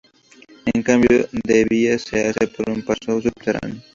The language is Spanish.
El cambio de vías se hace por un paso subterráneo.